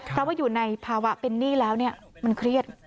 ก็อยู่ในภาวะเป็นหนี้แล้วมันเครียด